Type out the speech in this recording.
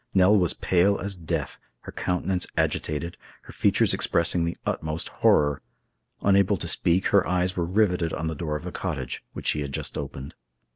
Nell was pale as death, her countenance agitated, her features expressing the utmost horror. Unable to speak, her eyes were riveted on the door of the cottage, which she had just opened.